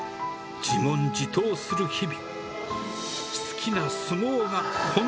自問自答する日々。